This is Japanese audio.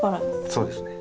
そうですね。